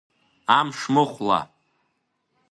Амшмыхәла…